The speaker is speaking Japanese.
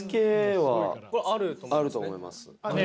あると思いますね。